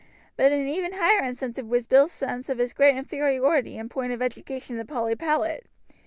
But an even higher incentive was Bill's sense of his great inferiority in point of education to Polly Powlett.